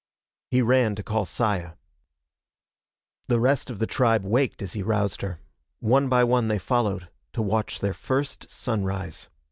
He ran to call Saya. The rest of the tribe waked as he roused her. One by one they followed, to watch their first sunrise.